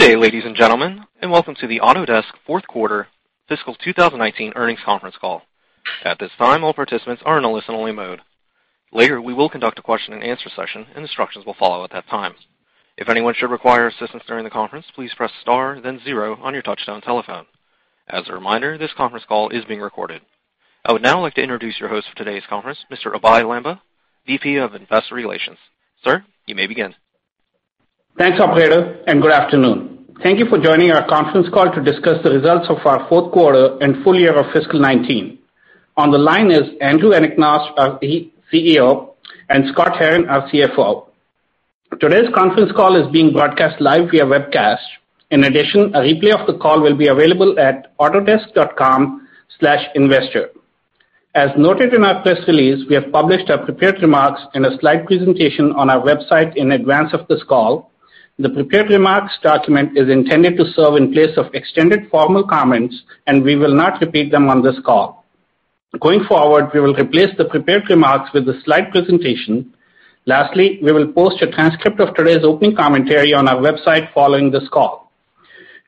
Good day, ladies and gentlemen, and welcome to the Autodesk fourth quarter fiscal 2019 earnings conference call. At this time, all participants are in a listen-only mode. Later, we will conduct a question and answer session, and instructions will follow at that time. If anyone should require assistance during the conference, please press star then zero on your touch-tone telephone. As a reminder, this conference call is being recorded. I would now like to introduce your host for today's conference, Mr. Abhey Lamba, VP of Investor Relations. Sir, you may begin. Thanks, operator. Good afternoon. Thank you for joining our conference call to discuss the results of our fourth quarter and full year of fiscal 2019. On the line is Andrew Anagnost, our CEO, and Scott Herren, our CFO. Today's conference call is being broadcast live via webcast. A replay of the call will be available at autodesk.com/investor. As noted in our press release, we have published our prepared remarks in a slide presentation on our website in advance of this call. The prepared remarks document is intended to serve in place of extended formal comments, and we will not repeat them on this call. Going forward, we will replace the prepared remarks with the slide presentation. We will post a transcript of today's opening commentary on our website following this call.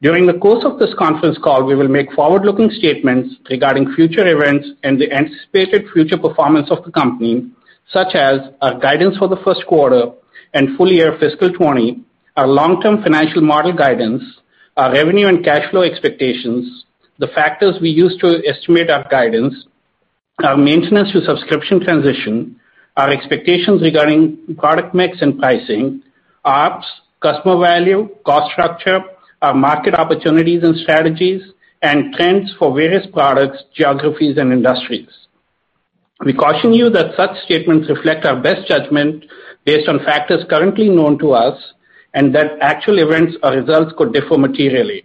During the course of this conference call, we will make forward-looking statements regarding future events and the anticipated future performance of the company, such as our guidance for the first quarter and full year fiscal 2020, our long-term financial model guidance, our revenue and cash flow expectations, the factors we use to estimate our guidance, our maintenance to subscription transition, our expectations regarding product mix and pricing, ops, customer value, cost structure, our market opportunities and strategies, and trends for various products, geographies, and industries. We caution you that such statements reflect our best judgment based on factors currently known to us, and that actual events or results could differ materially.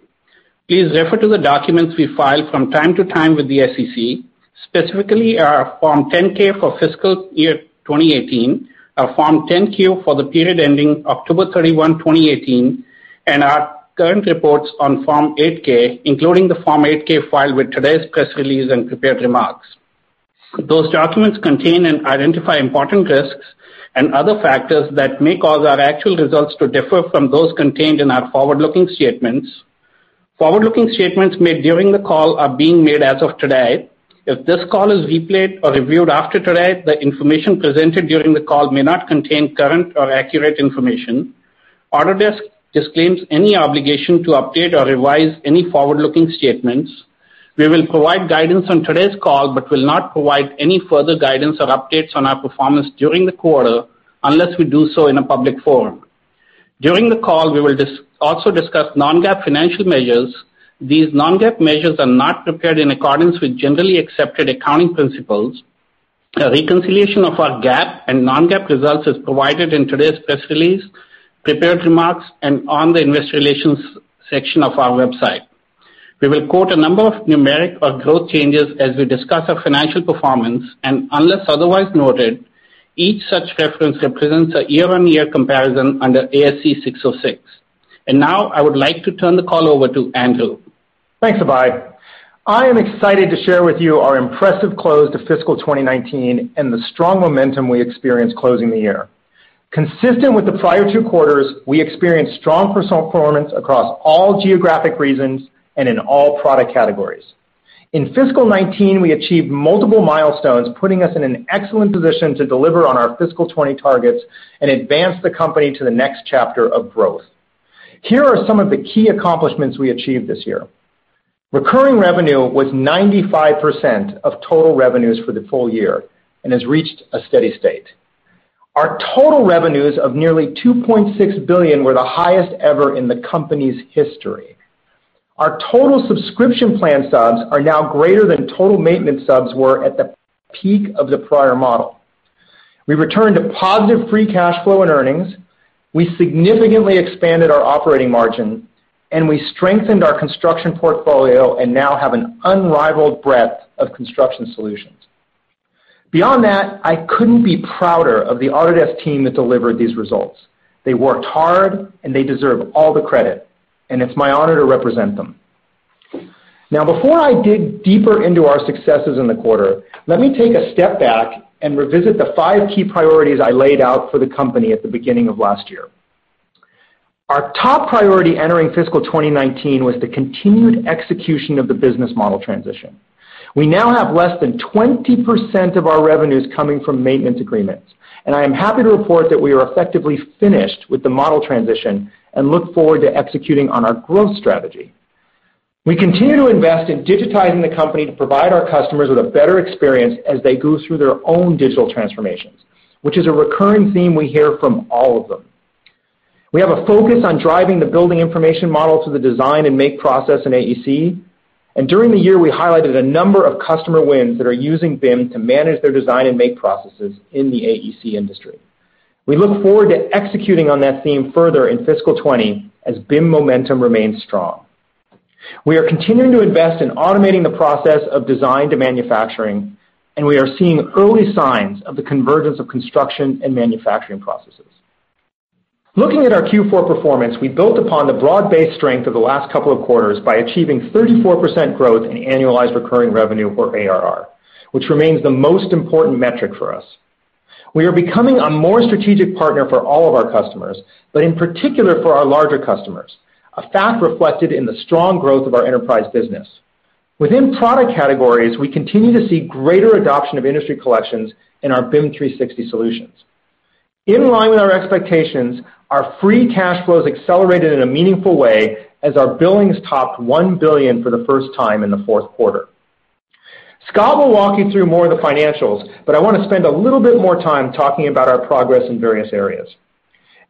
Please refer to the documents we file from time to time with the SEC, specifically our Form 10-K for fiscal year 2018, our Form 10-Q for the period ending October 31, 2018, and our current reports on Form 8-K, including the Form 8-K filed with today's press release and prepared remarks. Those documents contain and identify important risks and other factors that may cause our actual results to differ from those contained in our forward-looking statements. Forward-looking statements made during the call are being made as of today. If this call is replayed or reviewed after today, the information presented during the call may not contain current or accurate information. Autodesk disclaims any obligation to update or revise any forward-looking statements. We will provide guidance on today's call, but will not provide any further guidance or updates on our performance during the quarter unless we do so in a public forum. During the call, we will also discuss non-GAAP financial measures. These non-GAAP measures are not prepared in accordance with Generally Accepted Accounting Principles. A reconciliation of our GAAP and non-GAAP results is provided in today's press release, prepared remarks, and on the investor relations section of our website. We will quote a number of numeric or growth changes as we discuss our financial performance, and unless otherwise noted, each such reference represents a year-over-year comparison under ASC 606. Now I would like to turn the call over to Andrew. Thanks, Abhey. I am excited to share with you our impressive close to fiscal 2019 and the strong momentum we experienced closing the year. Consistent with the prior two quarters, we experienced strong personal performance across all geographic regions and in all product categories. In fiscal 2019, we achieved multiple milestones, putting us in an excellent position to deliver on our fiscal 2020 targets and advance the company to the next chapter of growth. Here are some of the key accomplishments we achieved this year. Recurring revenue was 95% of total revenues for the full year and has reached a steady state. Our total revenues of nearly $2.6 billion were the highest ever in the company's history. Our total subscription plan subs are now greater than total maintenance subs were at the peak of the prior model. We returned to positive free cash flow and earnings. We significantly expanded our operating margin, and we strengthened our construction portfolio and now have an unrivaled breadth of construction solutions. Beyond that, I couldn't be prouder of the Autodesk team that delivered these results. They worked hard, and they deserve all the credit, and it's my honor to represent them. Now, before I dig deeper into our successes in the quarter, let me take a step back and revisit the five key priorities I laid out for the company at the beginning of last year. Our top priority entering fiscal 2019 was the continued execution of the business model transition. We now have less than 20% of our revenues coming from maintenance agreements, I am happy to report that we are effectively finished with the model transition and look forward to executing on our growth strategy. We continue to invest in digitizing the company to provide our customers with a better experience as they go through their own digital transformations, which is a recurring theme we hear from all of them. We have a focus on driving the building information model to the design and make process in AEC. During the year, we highlighted a number of customer wins that are using BIM to manage their design and make processes in the AEC industry. We look forward to executing on that theme further in fiscal 2020 as BIM momentum remains strong. We are continuing to invest in automating the process of design to manufacturing. We are seeing early signs of the convergence of construction and manufacturing processes. Looking at our Q4 performance, we built upon the broad-based strength of the last couple of quarters by achieving 34% growth in annualized recurring revenue, or ARR, which remains the most important metric for us. We are becoming a more strategic partner for all of our customers, but in particular for our larger customers, a fact reflected in the strong growth of our enterprise business. Within product categories, we continue to see greater adoption of industry collections in our BIM 360 solutions. In line with our expectations, our free cash flows accelerated in a meaningful way as our billings topped $1 billion for the first time in the fourth quarter. Scott will walk you through more of the financials. I want to spend a little bit more time talking about our progress in various areas.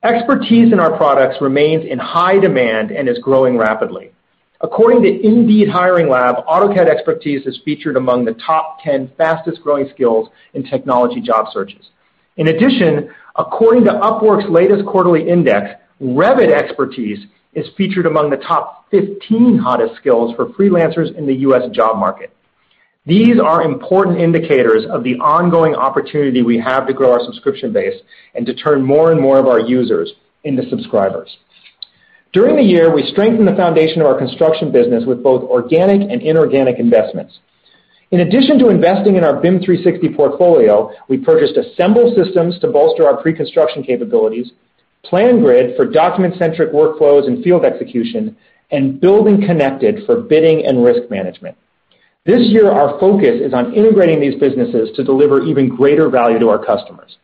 Expertise in our products remains in high demand and is growing rapidly. According to Indeed Hiring Lab, AutoCAD expertise is featured among the top 10 fastest-growing skills in technology job searches. In addition, according to Upwork's latest quarterly index, Revit expertise is featured among the top 15 hottest skills for freelancers in the U.S. job market. These are important indicators of the ongoing opportunity we have to grow our subscription base and to turn more and more of our users into subscribers. During the year, we strengthened the foundation of our construction business with both organic and inorganic investments. In addition to investing in our BIM 360 portfolio, we purchased Assemble Systems to bolster our pre-construction capabilities, PlanGrid for document-centric workflows and field execution, and BuildingConnected for bidding and risk management. This year, our focus is on integrating these businesses to deliver even greater value to our customers.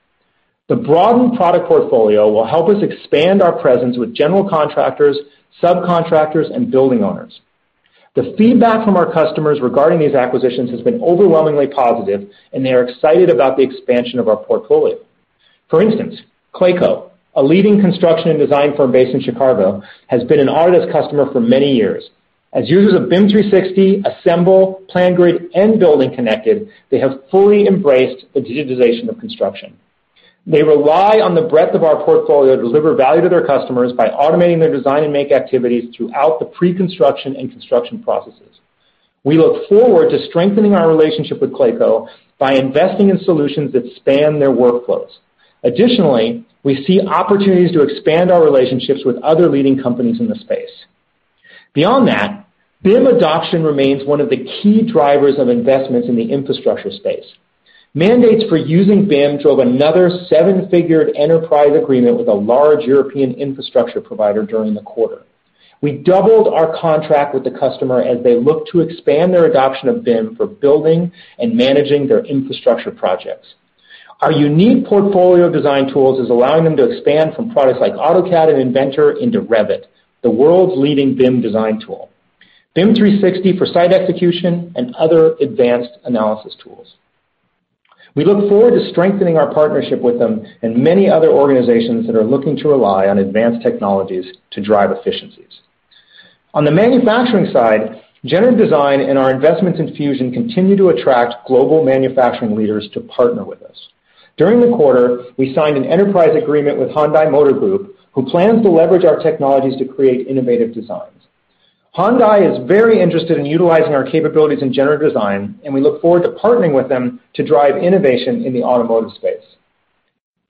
The broadened product portfolio will help us expand our presence with general contractors, subcontractors, and building owners. The feedback from our customers regarding these acquisitions has been overwhelmingly positive. They are excited about the expansion of our portfolio. For instance, Clayco, a leading construction and design firm based in Chicago, has been an Autodesk customer for many years. As users of BIM 360, Assemble, PlanGrid, and BuildingConnected, they have fully embraced the digitization of construction. They rely on the breadth of our portfolio to deliver value to their customers by automating their design and make activities throughout the pre-construction and construction processes. We look forward to strengthening our relationship with Clayco by investing in solutions that span their workflows. Additionally, we see opportunities to expand our relationships with other leading companies in the space. Beyond that, BIM adoption remains one of the key drivers of investments in the infrastructure space. Mandates for using BIM drove another seven-figured enterprise agreement with a large European infrastructure provider during the quarter. We doubled our contract with the customer as they look to expand their adoption of BIM for building and managing their infrastructure projects. Our unique portfolio design tools is allowing them to expand from products like AutoCAD and Inventor into Revit, the world's leading BIM design tool, BIM 360 for site execution, and other advanced analysis tools. We look forward to strengthening our partnership with them and many other organizations that are looking to rely on advanced technologies to drive efficiencies. On the manufacturing side, generative design and our investments in Fusion continue to attract global manufacturing leaders to partner with us. During the quarter, we signed an enterprise agreement with Hyundai Motor Group, who plans to leverage our technologies to create innovative designs. Hyundai is very interested in utilizing our capabilities in generative design, and we look forward to partnering with them to drive innovation in the automotive space.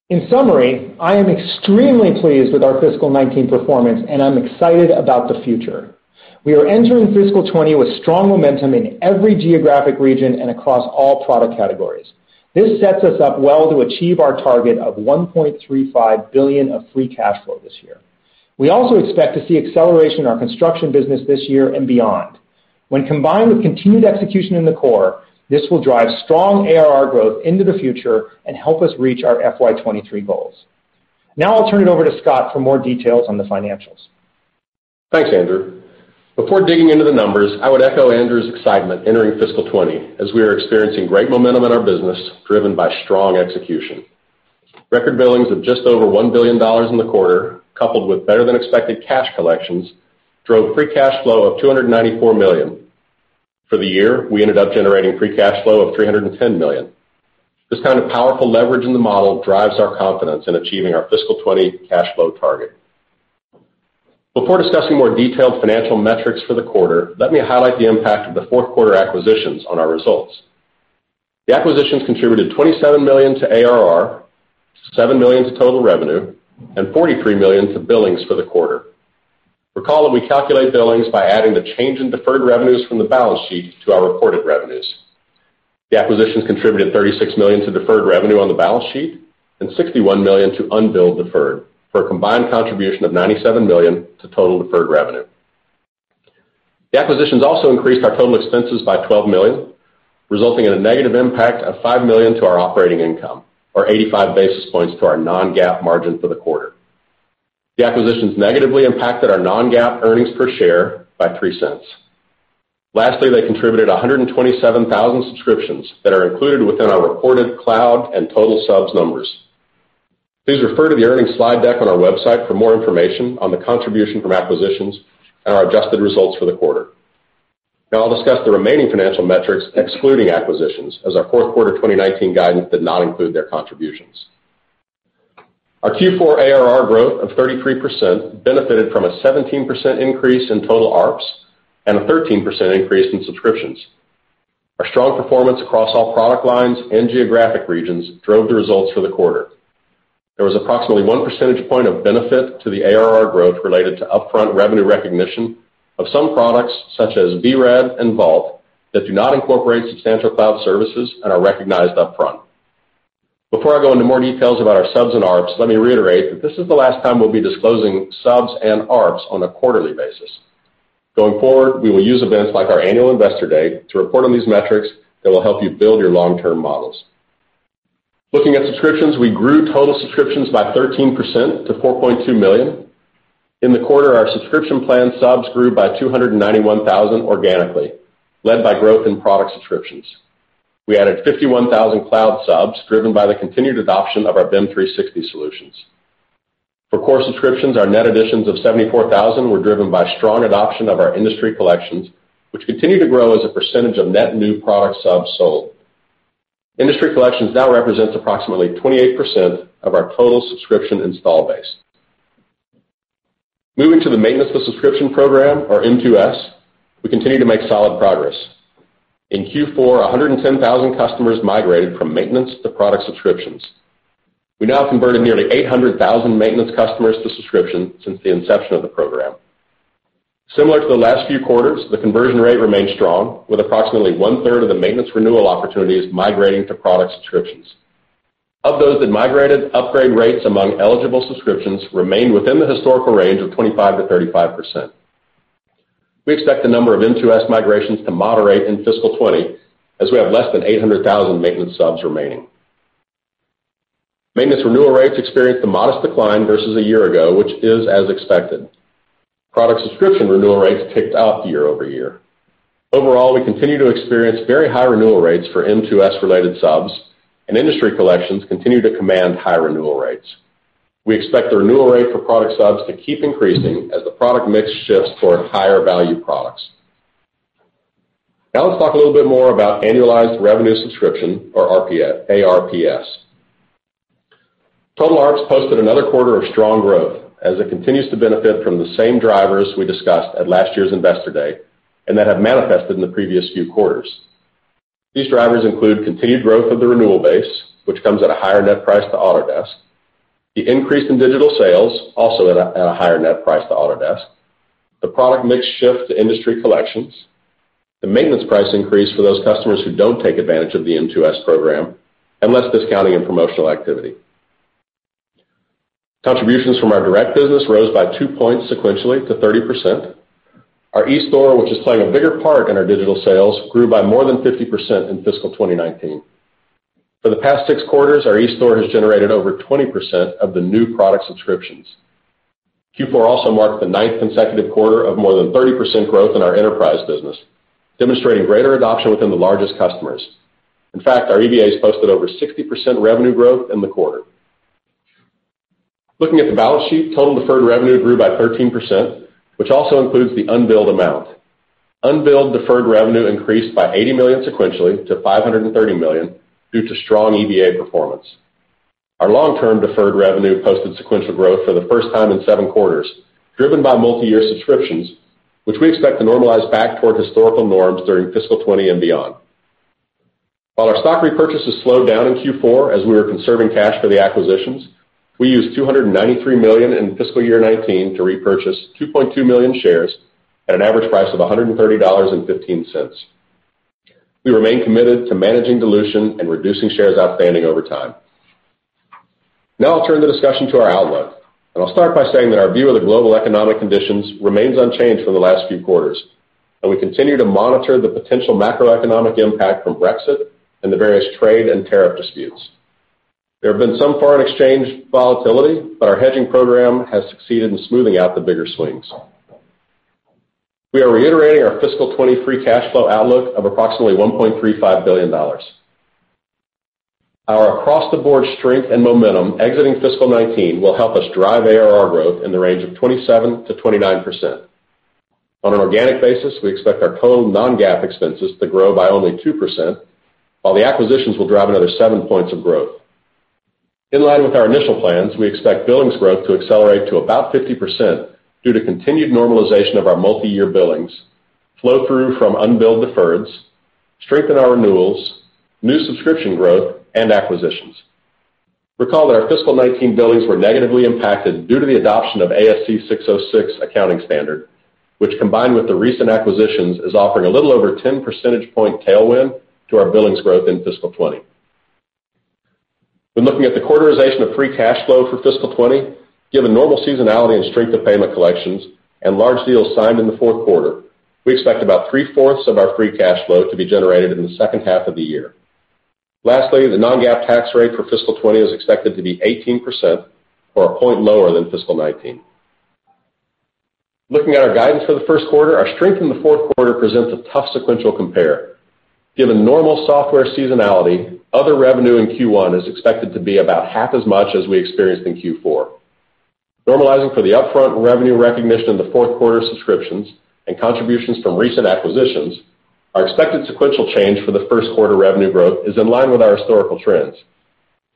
In summary, I am extremely pleased with our fiscal 2019 performance, and I'm excited about the future. We are entering fiscal 2020 with strong momentum in every geographic region and across all product categories. This sets us up well to achieve our target of $1.35 billion of free cash flow this year. We also expect to see acceleration in our construction business this year and beyond. When combined with continued execution in the core, this will drive strong ARR growth into the future and help us reach our FY 2023 goals. Now I'll turn it over to Scott for more details on the financials. Thanks, Andrew. Before digging into the numbers, I would echo Andrew's excitement entering fiscal 2020, as we are experiencing great momentum in our business, driven by strong execution. Record billings of just over $1 billion in the quarter, coupled with better-than-expected cash collections, drove free cash flow of $294 million. For the year, we ended up generating free cash flow of $310 million. This kind of powerful leverage in the model drives our confidence in achieving our fiscal 2020 cash flow target. Before discussing more detailed financial metrics for the quarter, let me highlight the impact of the fourth quarter acquisitions on our results. The acquisitions contributed $27 million to ARR, $7 million to total revenue, and $43 million to billings for the quarter. Recall that we calculate billings by adding the change in deferred revenues from the balance sheet to our reported revenues. The acquisitions contributed $36 million to deferred revenue on the balance sheet and $61 million to unbilled deferred, for a combined contribution of $97 million to total deferred revenue. The acquisitions also increased our total expenses by $12 million, resulting in a negative impact of $5 million to our operating income, or 85 basis points to our non-GAAP margin for the quarter. The acquisitions negatively impacted our non-GAAP earnings per share by $0.03. Lastly, they contributed 127,000 subscriptions that are included within our reported cloud and total subs numbers. Please refer to the earnings slide deck on our website for more information on the contribution from acquisitions and our adjusted results for the quarter. Now I'll discuss the remaining financial metrics excluding acquisitions, as our fourth quarter 2019 guidance did not include their contributions. Our Q4 ARR growth of 33% benefited from a 17% increase in total ARPS and a 13% increase in subscriptions. Our strong performance across all product lines and geographic regions drove the results for the quarter. There was approximately one percentage point of benefit to the ARR growth related to upfront revenue recognition of some products, such as VRED and Vault, that do not incorporate substantial cloud services and are recognized upfront. Before I go into more details about our subs and ARPS, let me reiterate that this is the last time we'll be disclosing subs and ARPS on a quarterly basis. Going forward, we will use events like our Annual Investor Day to report on these metrics that will help you build your long-term models. Looking at subscriptions, we grew total subscriptions by 13% to 4.2 million. In the quarter, our subscription plan subs grew by 291,000 organically, led by growth in product subscriptions. We added 51,000 cloud subs driven by the continued adoption of our BIM 360 solutions. For core subscriptions, our net additions of 74,000 were driven by strong adoption of our industry collections, which continue to grow as a percentage of net new product subs sold. Industry collections now represents approximately 28% of our total subscription install base. Moving to the maintenance to subscription program, or M2S, we continue to make solid progress. In Q4, 110,000 customers migrated from maintenance to product subscriptions. We now have converted nearly 800,000 maintenance customers to subscription since the inception of the program. Similar to the last few quarters, the conversion rate remains strong, with approximately one-third of the maintenance renewal opportunities migrating to product subscriptions. Of those that migrated, upgrade rates among eligible subscriptions remained within the historical range of 25%-35%. We expect the number of M2S migrations to moderate in fiscal 2020, as we have less than 800,000 maintenance subs remaining. Maintenance renewal rates experienced a modest decline versus a year ago, which is as expected. Product subscription renewal rates ticked up year-over-year. Overall, we continue to experience very high renewal rates for M2S-related subs, and industry collections continue to command high renewal rates. We expect the renewal rate for product subs to keep increasing as the product mix shifts towards higher-value products. Now let's talk a little bit more about annualized revenue subscription, or ARPS. Total ARPS posted another quarter of strong growth as it continues to benefit from the same drivers we discussed at last year's Investor Day and that have manifested in the previous few quarters. These drivers include continued growth of the renewal base, which comes at a higher net price to Autodesk. The increase in digital sales, also at a higher net price to Autodesk. The product mix shift to industry collections. The maintenance price increase for those customers who don't take advantage of the M2S program, and less discounting and promotional activity. Contributions from our direct business rose by two points sequentially to 30%. Our eStore, which is playing a bigger part in our digital sales, grew by more than 50% in fiscal 2019. For the past six quarters, our eStore has generated over 20% of the new product subscriptions. Q4 also marked the ninth consecutive quarter of more than 30% growth in our enterprise business, demonstrating greater adoption within the largest customers. In fact, our EBAs posted over 60% revenue growth in the quarter. Looking at the balance sheet, total deferred revenue grew by 13%, which also includes the unbilled amount. Unbilled deferred revenue increased by $80 million sequentially to $530 million due to strong EBA performance. Our long-term deferred revenue posted sequential growth for the first time in seven quarters, driven by multi-year subscriptions, which we expect to normalize back toward historical norms during fiscal 2020 and beyond. While our stock repurchases slowed down in Q4 as we were conserving cash for the acquisitions, we used $293 million in fiscal year 2019 to repurchase 2.2 million shares at an average price of $130.15. We remain committed to managing dilution and reducing shares outstanding over time. Now I'll turn the discussion to our outlook. I'll start by saying that our view of the global economic conditions remains unchanged for the last few quarters, and we continue to monitor the potential macroeconomic impact from Brexit and the various trade and tariff disputes. There have been some foreign exchange volatility, but our hedging program has succeeded in smoothing out the bigger swings. We are reiterating our fiscal 2020 free cash flow outlook of approximately $1.35 billion. Our across-the-board strength and momentum exiting fiscal 2019 will help us drive ARR growth in the range of 27%-29%. On an organic basis, we expect our total non-GAAP expenses to grow by only 2%, while the acquisitions will drive another seven points of growth. In line with our initial plans, we expect billings growth to accelerate to about 50% due to continued normalization of our multi-year billings, flow-through from unbilled deferreds, strength in our renewals, new subscription growth, and acquisitions. Recall that our fiscal 2019 billings were negatively impacted due to the adoption of ASC 606 accounting standard, which, combined with the recent acquisitions, is offering a little over 10 percentage point tailwind to our billings growth in fiscal 2020. When looking at the quarterization of free cash flow for fiscal 2020, given normal seasonality and strength of payment collections and large deals signed in the fourth quarter, we expect about three-fourths of our free cash flow to be generated in the second half of the year. Lastly, the non-GAAP tax rate for fiscal 2020 is expected to be 18%, or a point lower than fiscal 2019. Looking at our guidance for the first quarter, our strength in the fourth quarter presents a tough sequential compare. Given normal software seasonality, other revenue in Q1 is expected to be about half as much as we experienced in Q4. Normalizing for the upfront revenue recognition in the fourth quarter subscriptions and contributions from recent acquisitions, our expected sequential change for the first quarter revenue growth is in line with our historical trends.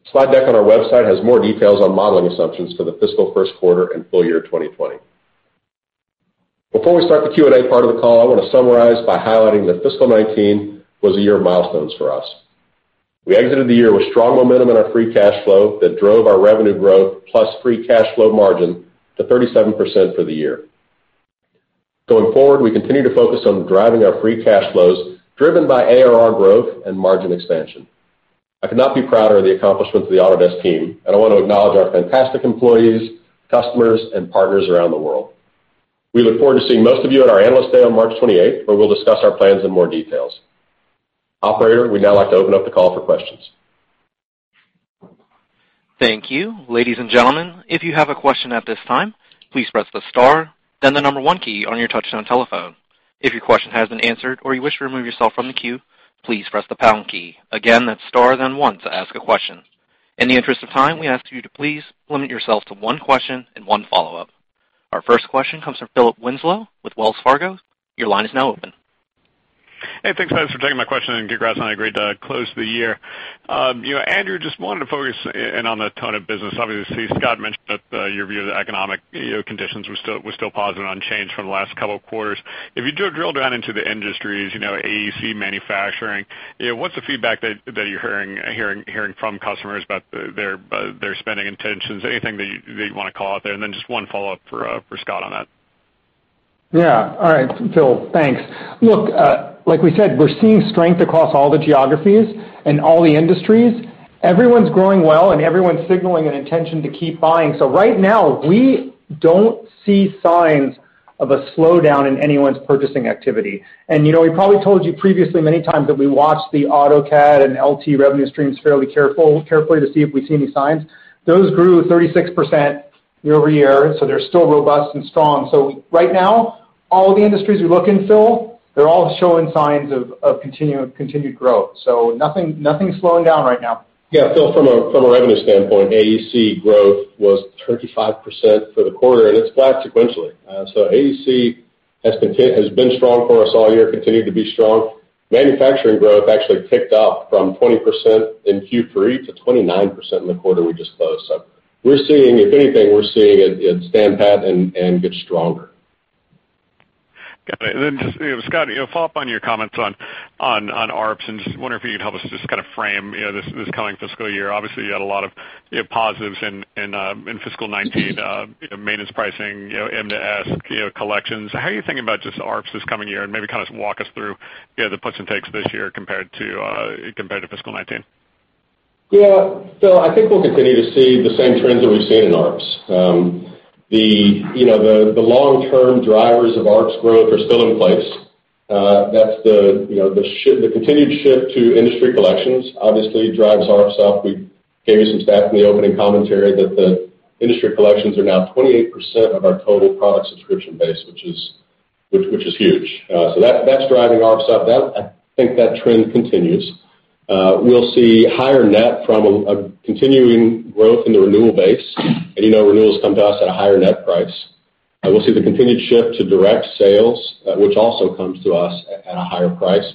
The slide deck on our website has more details on modeling assumptions for the fiscal first quarter and full year 2020. Before we start the Q&A part of the call, I want to summarize by highlighting that fiscal 2019 was a year of milestones for us. We exited the year with strong momentum in our free cash flow that drove our revenue growth plus free cash flow margin to 37% for the year. Going forward, we continue to focus on driving our free cash flows, driven by ARR growth and margin expansion. I could not be prouder of the accomplishments of the Autodesk team, and I want to acknowledge our fantastic employees, customers, and partners around the world. We look forward to seeing most of you at our Analyst Day on March 28th, where we'll discuss our plans in more details. Operator, we'd now like to open up the call for questions. Thank you. Ladies and gentlemen, if you have a question at this time, please press the star then the number one key on your touch-tone telephone. If your question has been answered or you wish to remove yourself from the queue, please press the pound key. Again, that's star then one to ask a question. In the interest of time, we ask you to please limit yourself to one question and one follow-up. Our first question comes from Philip Winslow with Wells Fargo. Your line is now open. Hey, thanks guys for taking my question, and congrats on a great close to the year. Andrew, just wanted to focus in on the tone of business. Obviously, Scott mentioned that your view of the economic conditions was still unchanged from the last couple of quarters. If you drill down into the industries, AEC, manufacturing, what's the feedback that you're hearing from customers about their spending intentions? Anything that you'd want to call out there? Just one follow-up for Scott on that. All right, Phil. Thanks. Look, like we said, we're seeing strength across all the geographies and all the industries. Everyone's growing well, and everyone's signaling an intention to keep buying. Right now, we don't see signs of a slowdown in anyone's purchasing activity. We probably told you previously many times that we watched the AutoCAD and LT revenue streams fairly carefully to see if we see any signs. Those grew 36% year-over-year, so they're still robust and strong. Right now, all the industries we look in, Phil, they're all showing signs of continued growth, so nothing's slowing down right now. Phil, from a revenue standpoint, AEC growth was 35% for the quarter, and it's flat sequentially. AEC has been strong for us all year, continued to be strong. Manufacturing growth actually ticked up from 20% in Q3 to 29% in the quarter we just closed. If anything, we're seeing it stand pat and get stronger. Got it. Just, Scott, a follow-up on your comments on ARPS, just wondering if you could help us just frame this coming fiscal year. Obviously, you had a lot of positives in fiscal 2019, maintenance pricing, M2S collections. How are you thinking about just ARPS this coming year? Maybe walk us through the puts and takes this year compared to fiscal 2019. Phil, I think we'll continue to see the same trends that we've seen in ARPS. The long-term drivers of ARPS growth are still in place. That's the continued shift to industry collections, obviously drives ARPS up. We gave you some stats in the opening commentary that the industry collections are now 28% of our total product subscription base, which is huge. That's driving ARPS up. I think that trend continues. We'll see higher net from a continuing growth in the renewal base, and you know renewals come to us at a higher net price. We'll see the continued shift to direct sales, which also comes to us at a higher price.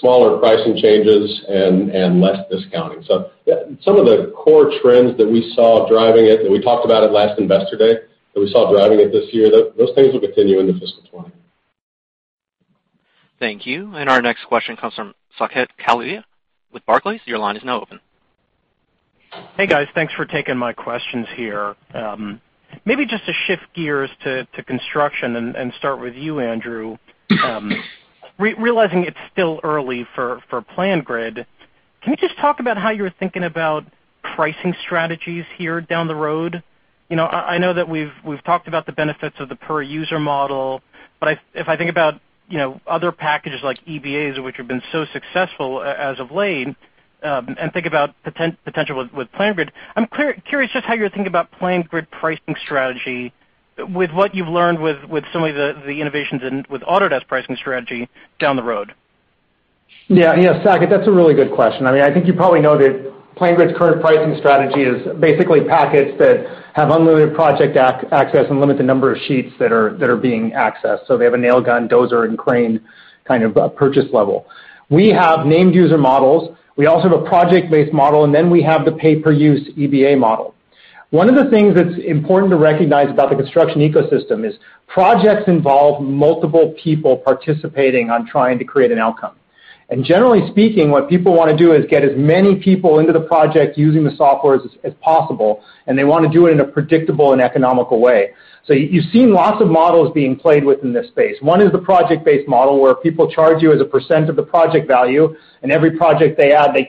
Smaller pricing changes and less discounting. Some of the core trends that we saw driving it, that we talked about at last Investor Day, that we saw driving it this year, those things will continue into fiscal 2020. Thank you. Our next question comes from Saket Kalia with Barclays. Your line is now open. Hey, guys. Thanks for taking my questions here. Maybe just to shift gears to construction and start with you, Andrew. Realizing it's still early for PlanGrid, can you just talk about how you're thinking about pricing strategies here down the road? I know that we've talked about the benefits of the per user model, but if I think about other packages like EBAs, which have been so successful as of late, and think about potential with PlanGrid, I'm curious just how you're thinking about PlanGrid pricing strategy with what you've learned with some of the innovations in with Autodesk pricing strategy down the road. Yeah, Saket, that's a really good question. I think you probably know that PlanGrid's current pricing strategy is basically packets that have unlimited project access and limit the number of sheets that are being accessed. They have a nail gun, dozer, and crane kind of purchase level. We have named user models. We also have a project-based model, and then we have the pay per use EBA model. One of the things that's important to recognize about the construction ecosystem is projects involve multiple people participating on trying to create an outcome. Generally speaking, what people want to do is get as many people into the project using the software as possible, and they want to do it in a predictable and economical way. You've seen lots of models being played with in this space. One is the project-based model where people charge you as a percent of the project value, and every project they add, they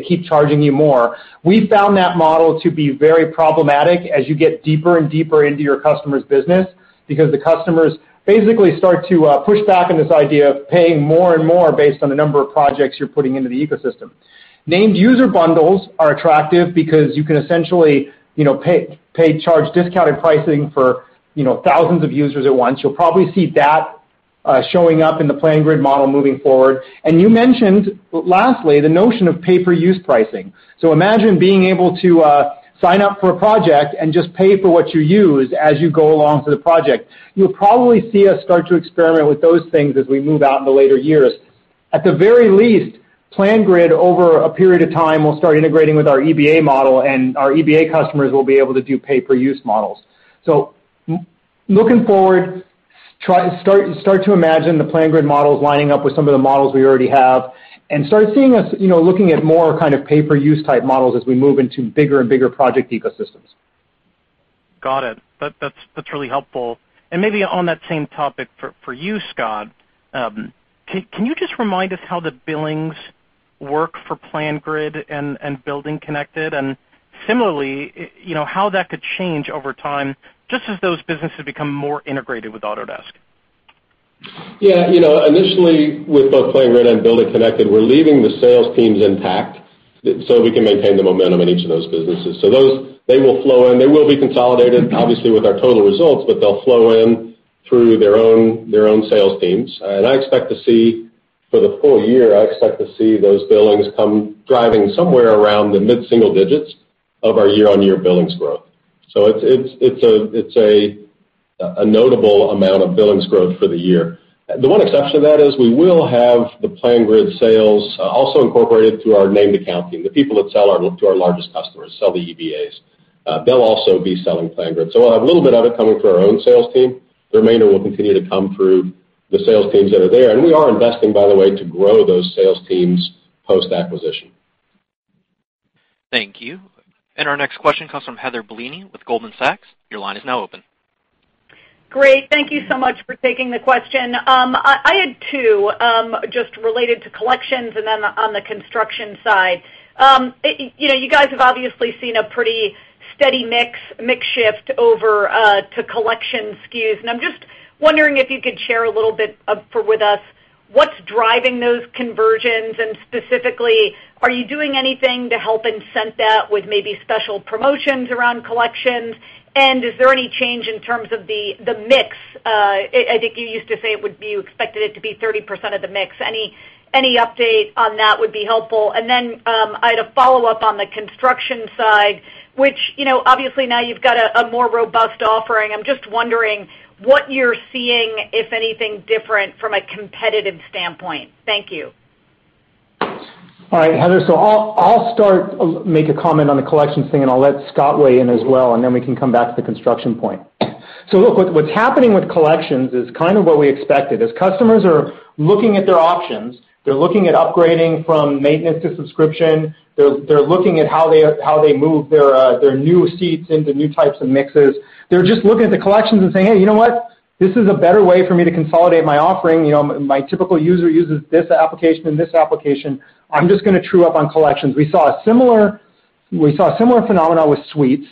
keep charging you more. We found that model to be very problematic as you get deeper and deeper into your customers' business because the customers basically start to push back on this idea of paying more and more based on the number of projects you're putting into the ecosystem. Named user bundles are attractive because you can essentially charge discounted pricing for thousands of users at once. You'll probably see that showing up in the PlanGrid model moving forward. You mentioned, lastly, the notion of pay per use pricing. Imagine being able to sign up for a project and just pay for what you use as you go along through the project. You'll probably see us start to experiment with those things as we move out in the later years. At the very least, PlanGrid, over a period of time, will start integrating with our EBA model, and our EBA customers will be able to do pay-per-use models. Looking forward, start to imagine the PlanGrid models lining up with some of the models we already have, and start looking at more pay-per-use type models as we move into bigger and bigger project ecosystems. Got it. That's really helpful. Maybe on that same topic for you, Scott, can you just remind us how the billings work for PlanGrid and BuildingConnected, and similarly, how that could change over time, just as those businesses become more integrated with Autodesk? Yeah. Initially, with both PlanGrid and BuildingConnected, we're leaving the sales teams intact so we can maintain the momentum in each of those businesses. They will flow in. They will be consolidated, obviously, with our total results, but they'll flow in through their own sales teams. For the full year, I expect to see those billings come driving somewhere around the mid-single digits of our year-on-year billings growth. It's a notable amount of billings growth for the year. The one exception to that is we will have the PlanGrid sales also incorporated through our named account team. The people that sell to our largest customers, sell the EBAs. They'll also be selling PlanGrid. We'll have a little bit of it coming through our own sales team. The remainder will continue to come through the sales teams that are there. We are investing, by the way, to grow those sales teams post-acquisition. Thank you. Our next question comes from Heather Bellini with Goldman Sachs. Your line is now open. Great. Thank you so much for taking the question. I had two, just related to collections and then on the construction side. You guys have obviously seen a pretty steady mix shift over to collection SKUs, and I'm just wondering if you could share a little bit with us what's driving those conversions, and specifically, are you doing anything to help incent that with maybe special promotions around collections? Is there any change in terms of the mix? I think you used to say you expected it to be 30% of the mix. Any update on that would be helpful. Then, I had a follow-up on the construction side, which obviously now you've got a more robust offering. I'm just wondering what you're seeing, if anything different, from a competitive standpoint. Thank you. All right, Heather. I'll start, make a comment on the collections thing, I'll let Scott weigh in as well, then we can come back to the construction point. Look, what's happening with collections is kind of what we expected. As customers are looking at their options, they're looking at upgrading from maintenance to subscription. They're looking at how they move their new seats into new types of mixes. They're just looking at the collections and saying, "Hey, you know what? This is a better way for me to consolidate my offering. My typical user uses this application and this application. I'm just going to true up on collections." We saw a similar phenomenon with Suites.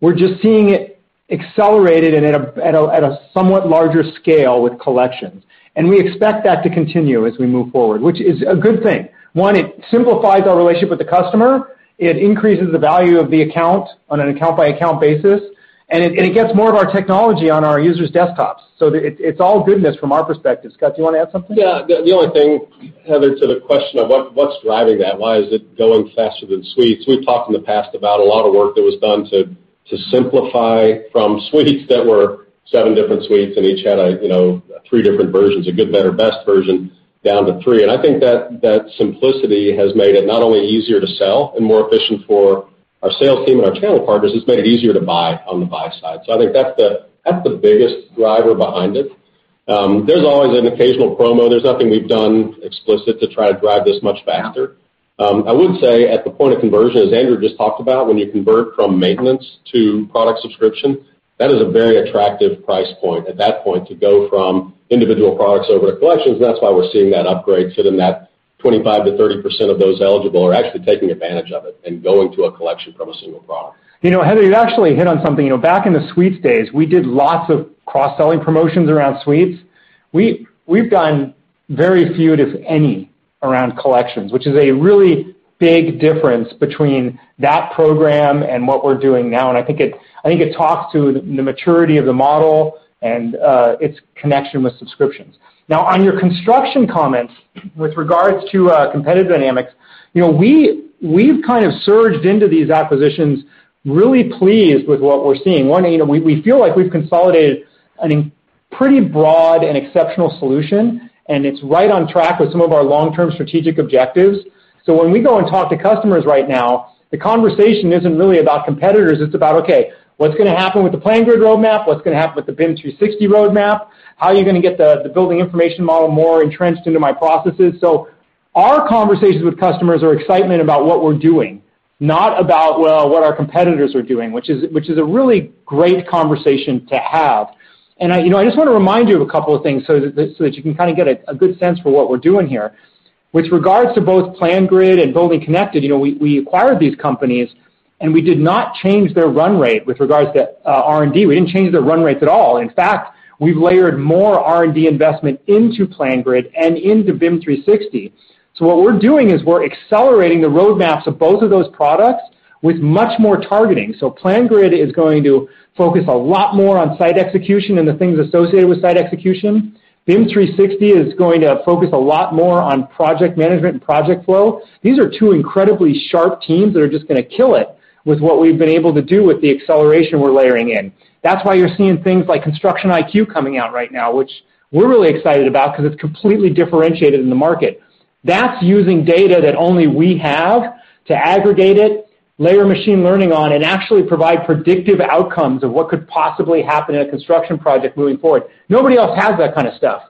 We're just seeing it accelerated and at a somewhat larger scale with collections. We expect that to continue as we move forward, which is a good thing. One, it simplifies our relationship with the customer. It increases the value of the account on an account-by-account basis, and it gets more of our technology on our users' desktops. It's all goodness from our perspective. Scott, do you want to add something? The only thing, Heather, to the question of what's driving that, why is it going faster than Suites, we've talked in the past about a lot of work that was done to simplify from Suites that were seven different Suites, and each had three different versions, a good, better, best version, down to three. I think that simplicity has made it not only easier to sell and more efficient for our sales team and our channel partners, it's made it easier to buy on the buy side. I think that's the biggest driver behind it. There's always an occasional promo. There's nothing we've done explicit to try to drive this much faster. Yeah. I would say at the point of conversion, as Andrew just talked about, when you convert from maintenance to product subscription, that is a very attractive price point at that point to go from individual products over to Collections. That's why we're seeing that upgrade. That 25%-30% of those eligible are actually taking advantage of it and going to a Collection from a single product. Heather, you've actually hit on something. Back in the Suites days, we did lots of cross-selling promotions around Suites. We've done very few, if any, around Collections, which is a really big difference between that program and what we're doing now. I think it talks to the maturity of the model and its connection with subscriptions. On your construction comments with regards to competitive dynamics, we've kind of surged into these acquisitions really pleased with what we're seeing. One, we feel like we've consolidated a pretty broad and exceptional solution, and it's right on track with some of our long-term strategic objectives. When we go and talk to customers right now, the conversation isn't really about competitors, it's about, okay, what's going to happen with the PlanGrid roadmap? What's going to happen with the BIM 360 roadmap? How are you going to get the Building Information Model more entrenched into my processes? Our conversations with customers are excitement about what we're doing, not about, well, what our competitors are doing, which is a really great conversation to have. I just want to remind you of a couple of things so that you can kind of get a good sense for what we're doing here. With regards to both PlanGrid and BuildingConnected, we acquired these companies, and we did not change their run rate with regards to R&D. We didn't change their run rates at all. In fact, we've layered more R&D investment into PlanGrid and into BIM 360. What we're doing is we're accelerating the roadmaps of both of those products with much more targeting. PlanGrid is going to focus a lot more on site execution and the things associated with site execution. BIM 360 is going to focus a lot more on project management and project flow. These are two incredibly sharp teams that are just going to kill it with what we've been able to do with the acceleration we're layering in. That's why you're seeing things like Construction IQ coming out right now, which we're really excited about because it's completely differentiated in the market. That's using data that only we have to aggregate it, layer machine learning on, and actually provide predictive outcomes of what could possibly happen at a construction project moving forward. Nobody else has that kind of stuff.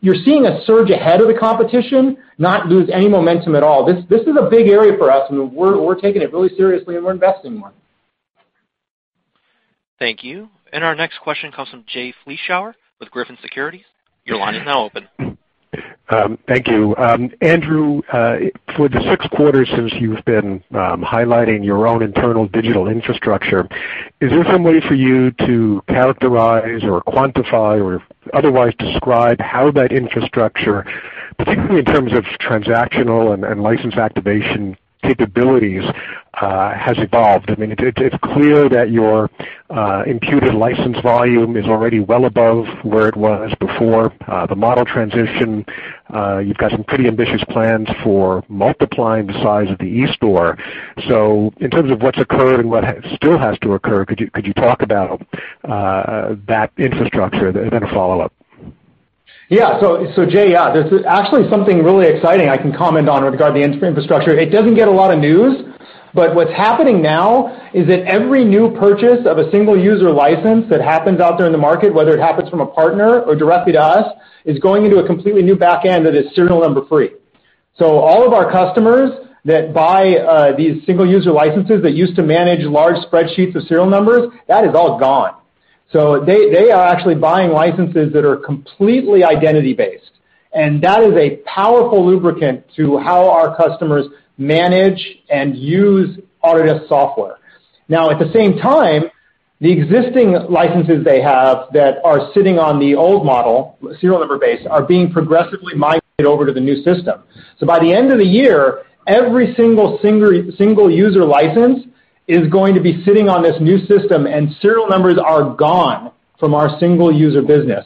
You're seeing us surge ahead of the competition, not lose any momentum at all. This is a big area for us, and we're taking it really seriously, and we're investing more. Thank you. Our next question comes from Jay Vleeschhouwer with Griffin Securities. Your line is now open. Thank you. Andrew, for the six quarters since you've been highlighting your own internal digital infrastructure, is there some way for you to characterize or quantify or otherwise describe how that infrastructure, particularly in terms of transactional and license activation capabilities, has evolved? It's clear that your imputed license volume is already well above where it was before the model transition. You've got some pretty ambitious plans for multiplying the size of the eStore. In terms of what's occurred and what still has to occur, could you talk about that infrastructure? A follow-up. Yeah. Jay, there's actually something really exciting I can comment on regarding the infrastructure. It doesn't get a lot of news, what's happening now is that every new purchase of a single-user license that happens out there in the market, whether it happens from a partner or directly to us, is going into a completely new back end that is serial number free. All of our customers that buy these single-user licenses that used to manage large spreadsheets of serial numbers, that is all gone. They are actually buying licenses that are completely identity based, and that is a powerful lubricant to how our customers manage and use Autodesk software. At the same time, the existing licenses they have that are sitting on the old model, serial number based, are being progressively migrated over to the new system. By the end of the year, every single user license is going to be sitting on this new system, and serial numbers are gone from our single-user business.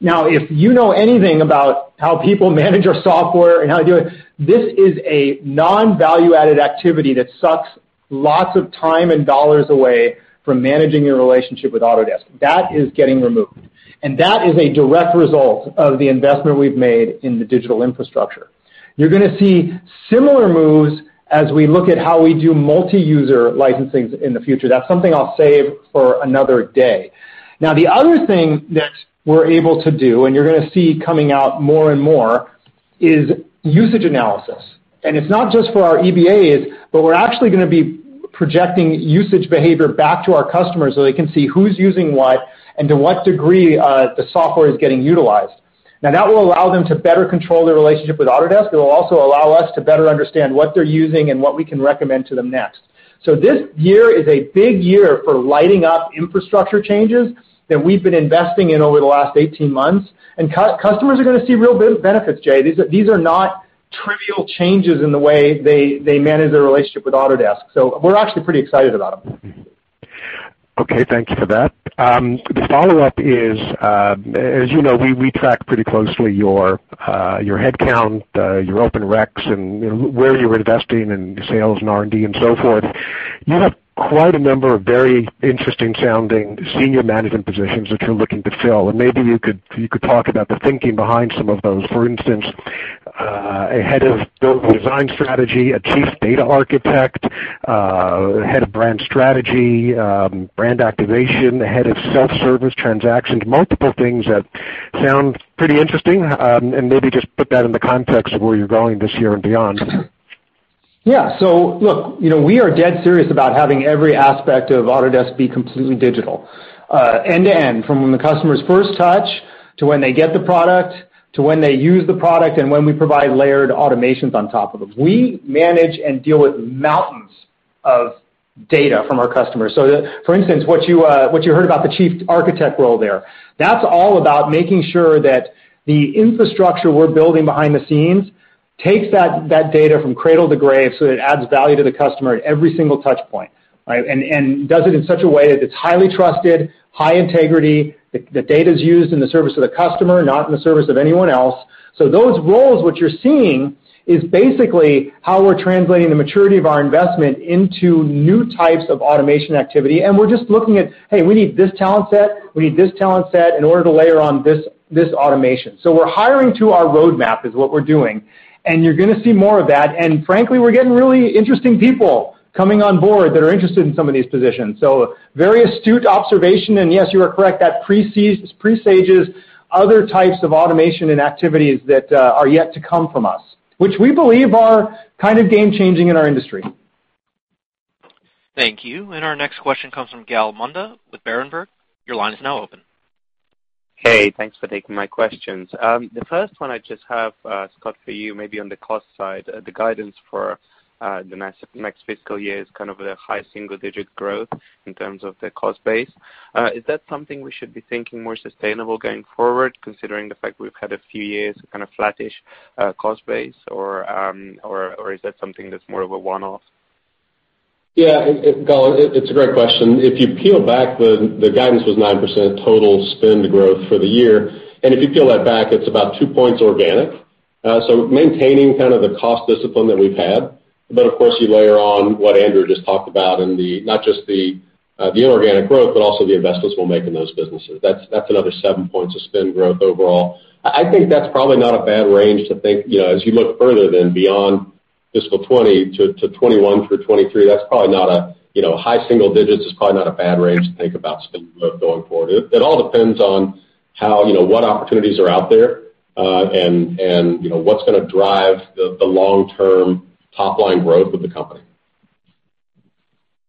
If you know anything about how people manage our software and how they do it, this is a non-value-added activity that sucks lots of time and dollars away from managing your relationship with Autodesk. That is getting removed, and that is a direct result of the investment we've made in the digital infrastructure. You're going to see similar moves as we look at how we do multi-user licensing in the future. That's something I'll save for another day. The other thing that we're able to do, and you're going to see coming out more and more, is usage analysis. It's not just for our EBAs, but we're actually going to be projecting usage behavior back to our customers so they can see who's using what and to what degree the software is getting utilized. That will allow them to better control their relationship with Autodesk. It will also allow us to better understand what they're using and what we can recommend to them next. This year is a big year for lighting up infrastructure changes that we've been investing in over the last 18 months, and customers are going to see real benefits, Jay. These are not trivial changes in the way they manage their relationship with Autodesk. We're actually pretty excited about them. Okay, thank you for that. The follow-up is, as you know, we track pretty closely your headcount, your open reqs, and where you're investing in sales and R&D and so forth. You have quite a number of very interesting-sounding senior management positions that you're looking to fill. Maybe you could talk about the thinking behind some of those. For instance, a Head of Build Design Strategy, a Chief Data Architect, a Head of Brand Strategy, Brand Activation, a Head of Self-Service Transactions, multiple things that sound pretty interesting. Maybe just put that in the context of where you're going this year and beyond. Look, we are dead serious about having every aspect of Autodesk be completely digital. End to end, from when the customers first touch to when they get the product to when they use the product and when we provide layered automations on top of them. We manage and deal with mountains of data from our customers. For instance, what you heard about the Chief Architect role there, that's all about making sure that the infrastructure we're building behind the scenes takes that data from cradle to grave so it adds value to the customer at every single touch point. Does it in such a way that it's highly trusted, high integrity. The data's used in the service of the customer, not in the service of anyone else. Those roles, what you're seeing is basically how we're translating the maturity of our investment into new types of automation activity, and we're just looking at, hey, we need this talent set, we need this talent set in order to layer on this automation. We're hiring to our roadmap, is what we're doing, and you're going to see more of that. Frankly, we're getting really interesting people coming on board that are interested in some of these positions. Very astute observation. Yes, you are correct. That presages other types of automation and activities that are yet to come from us, which we believe are kind of game-changing in our industry. Thank you. Our next question comes from Gal Munda with Berenberg. Your line is now open. Hey, thanks for taking my questions. The first one I just have, Scott, for you, maybe on the cost side. The guidance for the next fiscal year is kind of the high single-digit growth in terms of the cost base. Is that something we should be thinking more sustainable going forward, considering the fact we've had a few years kind of flattish cost base? Or is that something that's more of a one-off? Yeah, Gal, it's a great question. If you peel back the guidance was 9% total spend growth for the year, and if you peel that back, it's about two points organic. Maintaining kind of the cost discipline that we've had. Of course, you layer on what Andrew just talked about in not just the The inorganic growth, also the investments we'll make in those businesses. That's another seven points of spend growth overall. I think that's probably not a bad range to think, as you look further than beyond fiscal 2020 to 2021 through 2023. High single digits is probably not a bad range to think about spend growth going forward. It all depends on what opportunities are out there, and what's going to drive the long-term top-line growth of the company.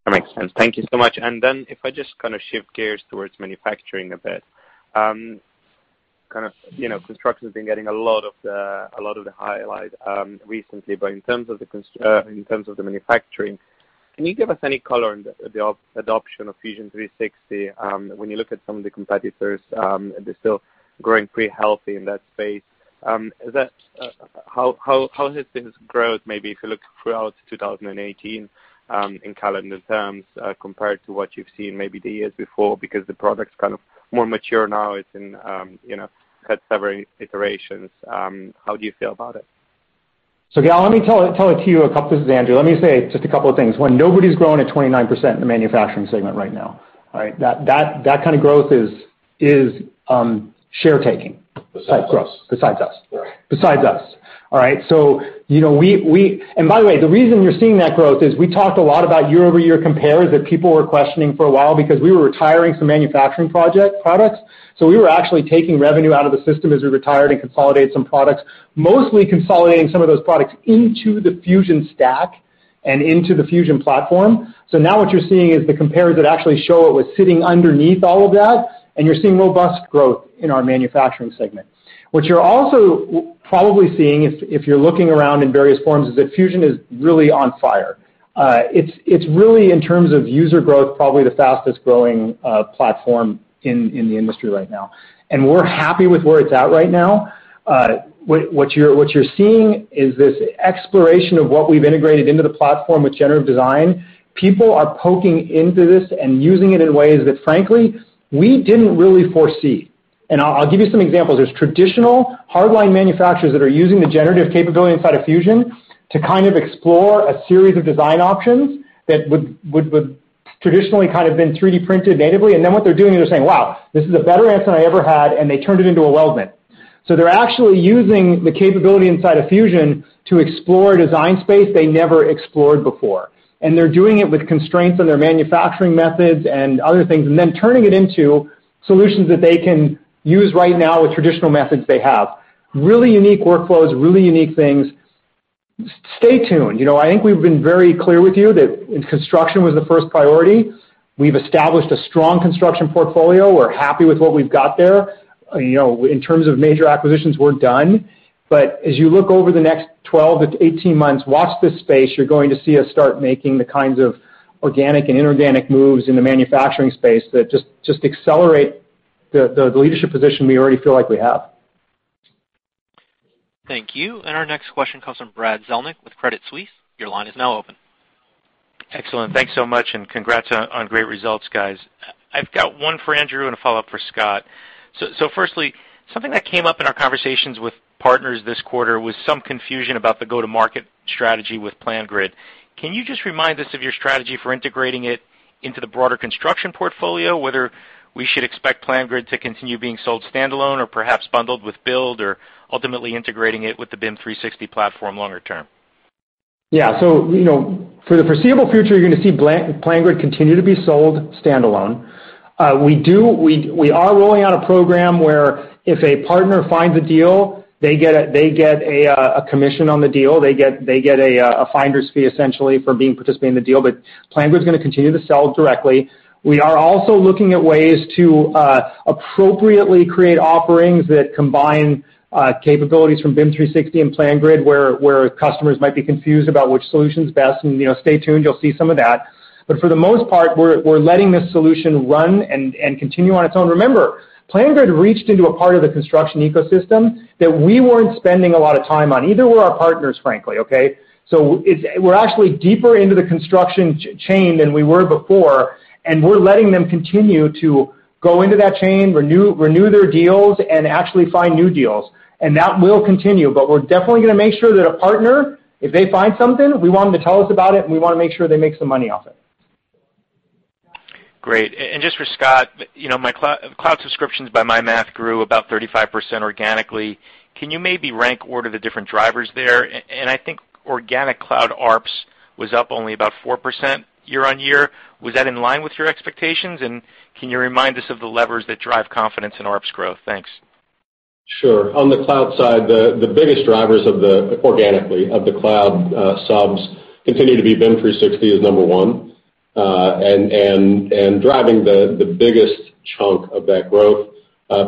That makes sense. Thank you so much. If I just shift gears towards manufacturing a bit. Construction's been getting a lot of the highlight recently. In terms of the manufacturing, can you give us any color on the adoption of Fusion 360? When you look at some of the competitors, they're still growing pretty healthy in that space. How has been its growth, maybe if you look throughout 2018, in calendar terms, compared to what you've seen maybe the years before, because the product's more mature now, it's had several iterations. How do you feel about it? Gal, let me tell it to you, this is Andrew. Let me say just a couple of things. One, nobody's growing at 29% in the manufacturing segment right now. All right? That kind of growth is share taking. Besides us besides us. Right. Besides us. All right? By the way, the reason you're seeing that growth is we talked a lot about year-over-year compares that people were questioning for a while because we were retiring some manufacturing project products. We were actually taking revenue out of the system as we retired and consolidated some products, mostly consolidating some of those products into the Fusion stack and into the Fusion platform. Now what you're seeing is the compares that actually show it was sitting underneath all of that. You're seeing robust growth in our manufacturing segment. What you're also probably seeing, if you're looking around in various forums, is that Fusion is really on fire. It's really, in terms of user growth, probably the fastest-growing platform in the industry right now. We're happy with where it's at right now. What you're seeing is this exploration of what we've integrated into the platform with generative design. People are poking into this and using it in ways that, frankly, we didn't really foresee. I'll give you some examples. There's traditional hardline manufacturers that are using the generative capability inside of Fusion to explore a series of design options that would traditionally been 3D-printed natively. Then what they're doing is they're saying, "Wow, this is a better answer than I ever had." They turned it into a weldment. They're actually using the capability inside of Fusion to explore a design space they never explored before. They're doing it with constraints on their manufacturing methods and other things, then turning it into solutions that they can use right now with traditional methods they have. Really unique workflows, really unique things. Stay tuned. I think we've been very clear with you that construction was the first priority. We've established a strong construction portfolio. We're happy with what we've got there. In terms of major acquisitions, we're done. As you look over the next 12 to 18 months, watch this space. You're going to see us start making the kinds of organic and inorganic moves in the manufacturing space that just accelerate the leadership position we already feel like we have. Thank you. Our next question comes from Brad Zelnick with Credit Suisse. Your line is now open. Excellent. Thanks so much, congrats on great results, guys. I've got one for Andrew and a follow-up for Scott. Firstly, something that came up in our conversations with partners this quarter was some confusion about the go-to-market strategy with PlanGrid. Can you just remind us of your strategy for integrating it into the broader construction portfolio, whether we should expect PlanGrid to continue being sold standalone or perhaps bundled with Build or ultimately integrating it with the BIM 360 platform longer term? Yeah. For the foreseeable future, you're going to see PlanGrid continue to be sold standalone. We are rolling out a program where if a partner finds a deal, they get a commission on the deal. They get a finder's fee, essentially, for participating in the deal. PlanGrid's going to continue to sell directly. We are also looking at ways to appropriately create offerings that combine capabilities from BIM 360 and PlanGrid, where customers might be confused about which solution's best. Stay tuned, you'll see some of that. For the most part, we're letting this solution run and continue on its own. Remember, PlanGrid reached into a part of the construction ecosystem that we weren't spending a lot of time on, either were our partners, frankly, okay? We're actually deeper into the construction chain than we were before, and we're letting them continue to go into that chain, renew their deals, and actually find new deals. That will continue, but we're definitely going to make sure that a partner, if they find something, we want them to tell us about it, and we want to make sure they make some money off it. Great. Just for Scott, cloud subscriptions by my math grew about 35% organically. Can you maybe rank order the different drivers there? I think organic cloud ARPS was up only about 4% year-on-year. Was that in line with your expectations? Can you remind us of the levers that drive confidence in ARPS growth? Thanks. Sure. On the cloud side, the biggest drivers organically of the cloud subs continue to be BIM 360 is number 1, and driving the biggest chunk of that growth.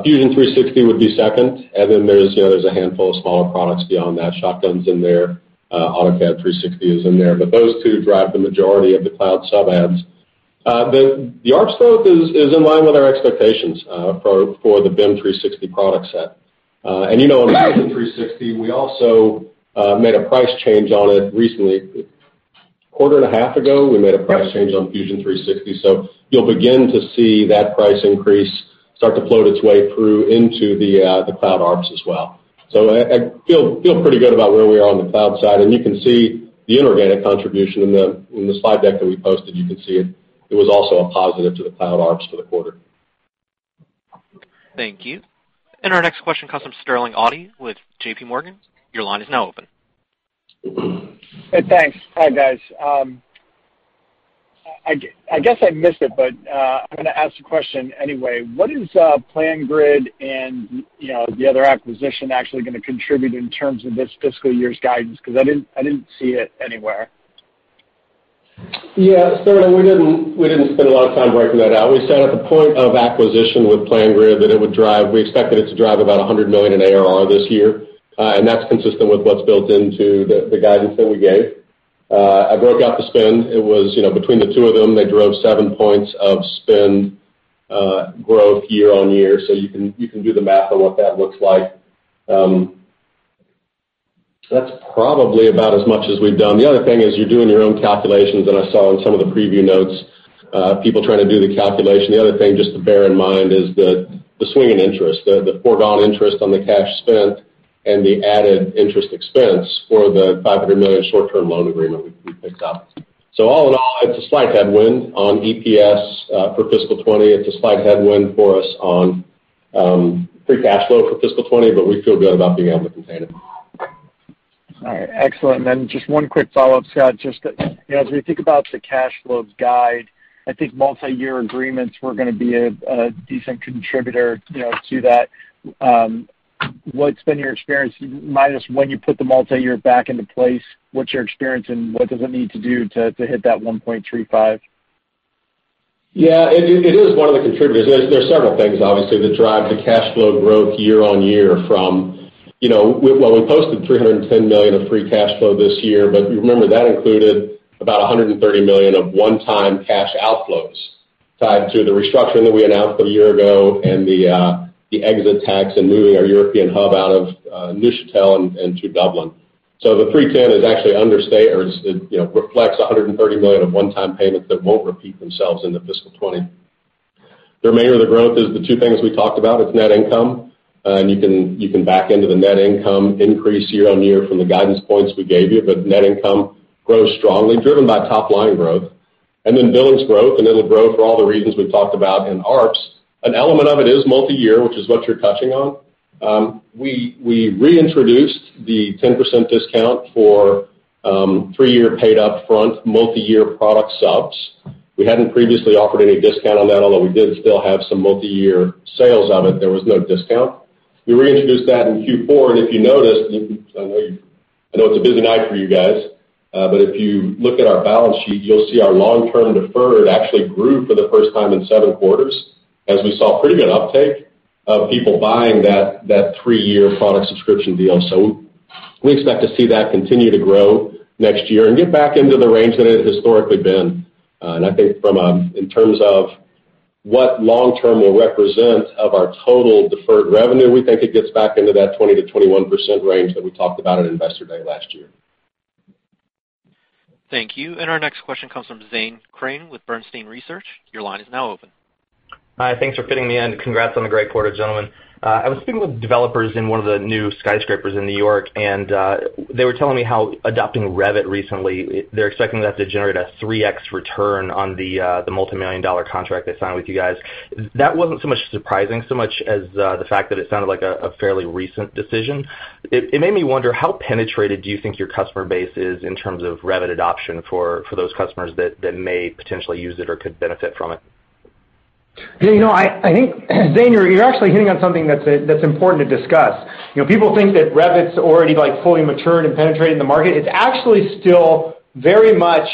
Fusion 360 would be 2, and then there's a handful of smaller products beyond that. Shotgun's in there. AutoCAD 360 is in there. But those two drive the majority of the cloud sub adds. The ARPS growth is in line with our expectations for the BIM 360 product set. You know in Fusion 360, we also made a price change on it recently. A quarter and a half ago, we made a price change on Fusion 360. You'll begin to see that price increase start to float its way through into the cloud ARPS as well. So I feel pretty good about where we are on the cloud side. You can see the inorganic contribution in the slide deck that we posted. You can see it. It was also a positive to the cloud ARPS for the quarter. Thank you. Our next question comes from Sterling Auty with J.P. Morgan. Your line is now open. Thanks. Hi, guys. I guess I missed it, but I am going to ask the question anyway. What is PlanGrid and the other acquisition actually going to contribute in terms of this fiscal year's guidance? I didn't see it anywhere. Sterling, we didn't spend a lot of time breaking that out. We expected it to drive about $100 million in ARR this year, that's consistent with what's built into the guidance that we gave. I broke out the spend. It was between the two of them, they drove seven points of spend growth year-over-year. You can do the math on what that looks like. That's probably about as much as we've done. The other thing is you're doing your own calculations, I saw in some of the preview notes, people trying to do the calculation. The other thing just to bear in mind is the swing in interest, the foregone interest on the cash spent and the added interest expense for the $500 million short-term loan agreement we picked up. All in all, it's a slight headwind on EPS for fiscal 2020. It's a slight headwind for us on free cash flow for fiscal 2020, we feel good about being able to contain them. All right. Excellent. Just one quick follow-up, Scott. Just as we think about the cash flow guide, I think multi-year agreements were going to be a decent contributor to that. What's been your experience, minus when you put the multi-year back into place, what's your experience and what does it need to do to hit that 1.35? Yeah. It is one of the contributors. There are several things, obviously, that drive the cash flow growth year-over-year. Well, we posted $310 million of free cash flow this year, but if you remember, that included about $130 million of one-time cash outflows tied to the restructuring that we announced a year ago and the exit tax and moving our European hub out of Neuchâtel and to Dublin. The $310 is actually or it reflects $130 million of one-time payments that won't repeat themselves into FY 2020. The remainder of the growth is the two things we talked about. It's net income, and you can back into the net income increase year-over-year from the guidance points we gave you. Net income grows strongly, driven by top-line growth, billings growth, and it'll grow for all the reasons we've talked about in ARPS. An element of it is multi-year, which is what you're touching on. We reintroduced the 10% discount for three-year paid upfront multi-year product subs. We hadn't previously offered any discount on that, although we did still have some multi-year sales on it. There was no discount. We reintroduced that in Q4. If you noticed, I know it's a busy night for you guys, but if you look at our balance sheet, you'll see our long-term deferred actually grew for the first time in seven quarters as we saw pretty good uptake of people buying that three-year product subscription deal. We expect to see that continue to grow next year and get back into the range that it has historically been. I think in terms of what long term will represent of our total deferred revenue, we think it gets back into that 20%-21% range that we talked about at Investor Day last year. Thank you. Our next question comes from Zane Chrane with Bernstein Research. Your line is now open. Hi. Thanks for fitting me in. Congrats on the great quarter, gentlemen. I was speaking with developers in one of the new skyscrapers in N.Y., and they were telling me how adopting Revit recently, they're expecting that to generate a 3x return on the multimillion-dollar contract they signed with you guys. That wasn't so much surprising so much as the fact that it sounded like a fairly recent decision. It made me wonder, how penetrated do you think your customer base is in terms of Revit adoption for those customers that may potentially use it or could benefit from it? Zane, you're actually hitting on something that's important to discuss. People think that Revit's already fully matured and penetrated the market. It's actually still very much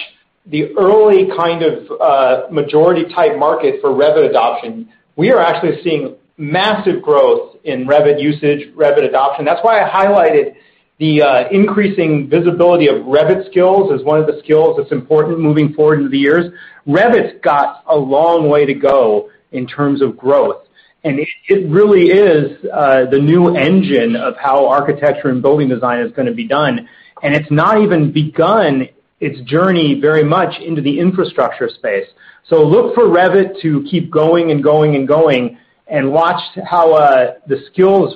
the early kind of majority-type market for Revit adoption. We are actually seeing massive growth in Revit usage, Revit adoption. That's why I highlighted the increasing visibility of Revit skills as one of the skills that's important moving forward into the years. Revit's got a long way to go in terms of growth, and it really is the new engine of how architecture and building design is going to be done. It's not even begun its journey very much into the infrastructure space. Look for Revit to keep going and going and going, and watch how the skills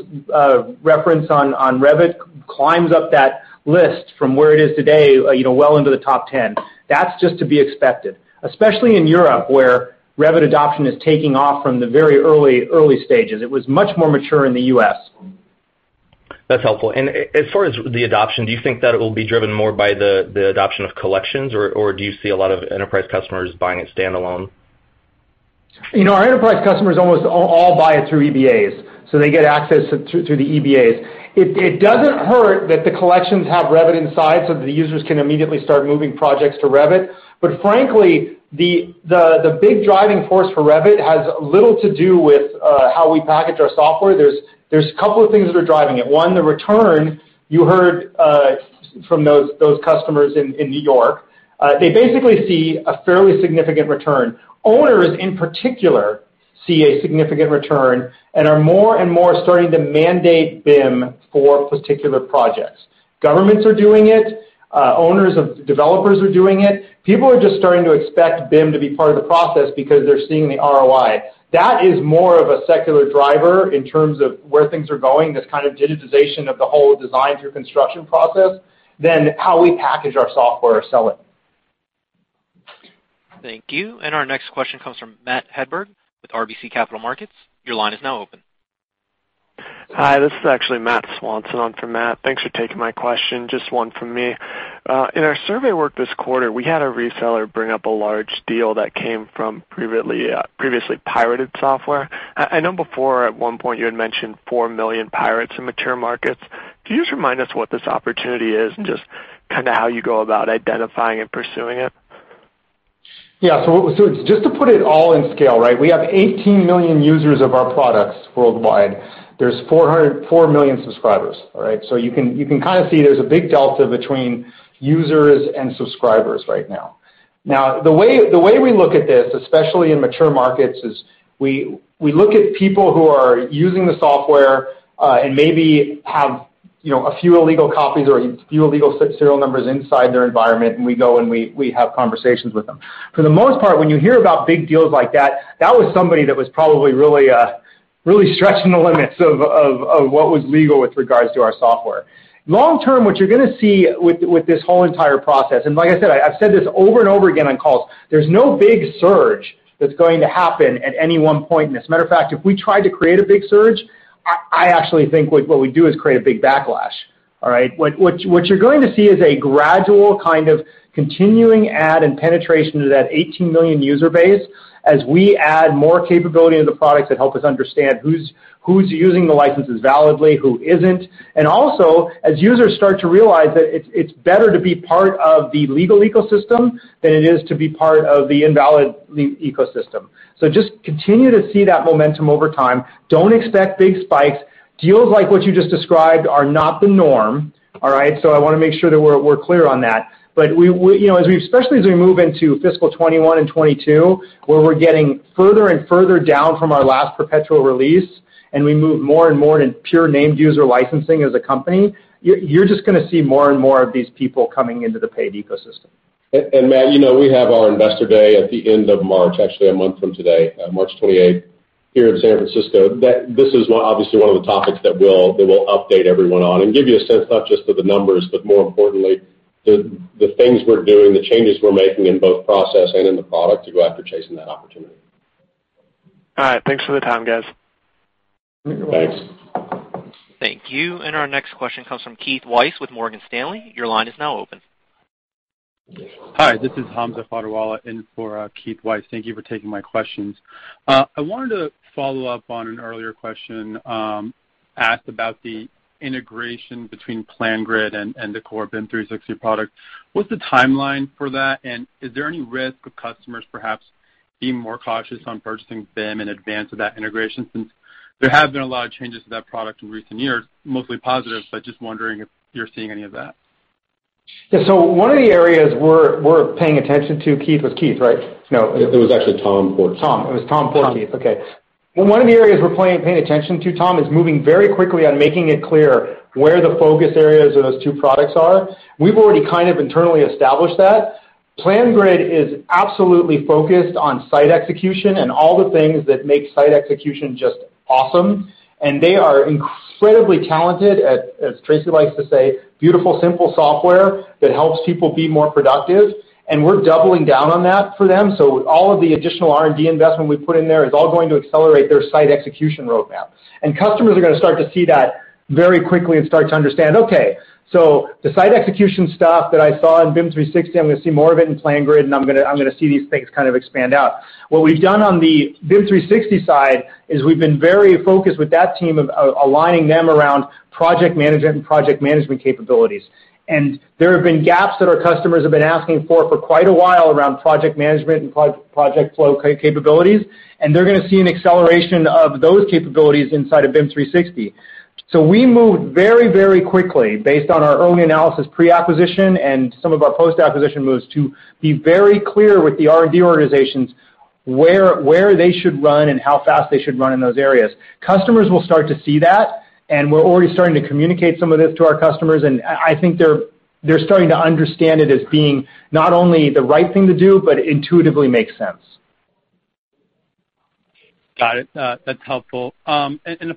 referenced on Revit climbs up that list from where it is today, well into the top 10. That's just to be expected, especially in Europe, where Revit adoption is taking off from the very early stages. It was much more mature in the U.S. That's helpful. As far as the adoption, do you think that it will be driven more by the adoption of collections, or do you see a lot of enterprise customers buying it standalone? Our enterprise customers almost all buy it through EBAs. They get access through the EBAs. It doesn't hurt that the collections have Revit inside, so the users can immediately start moving projects to Revit. Frankly, the big driving force for Revit has little to do with how we package our software. There's a couple of things that are driving it. One, the return you heard from those customers in New York. They basically see a fairly significant return. Owners, in particular, see a significant return and are more and more starting to mandate BIM for particular projects. Governments are doing it. Owners of developers are doing it. People are just starting to expect BIM to be part of the process because they're seeing the ROI. That is more of a secular driver in terms of where things are going, this kind of digitization of the whole design through construction process, than how we package our software or sell it. Thank you. Our next question comes from Matt Hedberg with RBC Capital Markets. Your line is now open. Hi, this is actually Matthew Swanson on for Matt. Thanks for taking my question. Just one from me. In our survey work this quarter, we had a reseller bring up a large deal that came from previously pirated software. I know before at one point you had mentioned 4 million pirates in mature markets. Can you just remind us what this opportunity is and just how you go about identifying and pursuing it? Just to put it all in scale, we have 18 million users of our products worldwide. There's 4 million subscribers. You can kind of see there's a big delta between users and subscribers right now. The way we look at this, especially in mature markets, is we look at people who are using the software, and maybe have a few illegal copies or a few illegal 6 serial numbers inside their environment, and we go and we have conversations with them. For the most part, when you hear about big deals like that was somebody that was probably really stretching the limits of what was legal with regards to our software. Long term, what you're going to see with this whole entire process, like I said, I've said this over and over again on calls, there's no big surge that's going to happen at any one point. As a matter of fact, if we tried to create a big surge, I actually think what we'd do is create a big backlash. What you're going to see is a gradual kind of continuing add and penetration to that 18 million user base as we add more capability into the products that help us understand who's using the licenses validly, who isn't, and also as users start to realize that it's better to be part of the legal ecosystem than it is to be part of the invalid ecosystem. Just continue to see that momentum over time. Don't expect big spikes. Deals like what you just described are not the norm. I want to make sure that we're clear on that. Especially as we move into fiscal 2021 and 2022, where we're getting further and further down from our last perpetual release, and we move more and more in pure named user licensing as a company, you're just going to see more and more of these people coming into the paid ecosystem. Matt, we have our Investor Day at the end of March, actually a month from today, March 28th, here in San Francisco. This is obviously one of the topics that we'll update everyone on and give you a sense, not just of the numbers, but more importantly, the things we're doing, the changes we're making in both process and in the product to go after chasing that opportunity. All right. Thanks for the time, guys. Thanks. Thank you. Our next question comes from Keith Weiss with Morgan Stanley. Your line is now open. Hi, this is Hamza Fatawala in for Keith Weiss. Thank you for taking my questions. I wanted to follow up on an earlier question, asked about the integration between PlanGrid and the core BIM 360 product. What's the timeline for that, and is there any risk of customers perhaps being more cautious on purchasing BIM in advance of that integration, since there have been a lot of changes to that product in recent years, mostly positive, but just wondering if you're seeing any of that. Yeah, one of the areas we're paying attention to, Keith. It was Keith, right? No. It was actually Tom Porter. Tom. It was Tom Porter, okay. One of the areas we're paying attention to, Tom, is moving very quickly on making it clear where the focus areas of those two products are. We've already kind of internally established that. PlanGrid is absolutely focused on site execution and all the things that make site execution just awesome, and they are incredibly talented. As Tracy likes to say, "Beautiful, simple software that helps people be more productive," and we're doubling down on that for them. All of the additional R&D investment we put in there is all going to accelerate their site execution roadmap. Customers are going to start to see that very quickly and start to understand, "Okay, so the site execution stuff that I saw in BIM 360, I'm going to see more of it in PlanGrid, and I'm going to see these things kind of expand out." What we've done on the BIM 360 side is we've been very focused with that team of aligning them around project management and project management capabilities. There have been gaps that our customers have been asking for for quite a while around project management and project flow capabilities, and they're going to see an acceleration of those capabilities inside of BIM 360. We moved very quickly based on our own analysis pre-acquisition and some of our post-acquisition moves to be very clear with the R&D organizations where they should run and how fast they should run in those areas. Customers will start to see that, and we're already starting to communicate some of this to our customers, and I think they're starting to understand it as being not only the right thing to do, but it intuitively makes sense. Got it. That's helpful. A